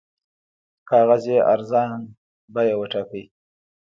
کاغذ یې ارزان بیه وټاکئ.